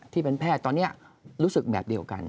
ที่เป็นแพทย์ตอนนี้รู้สึกแบบเดียวกัน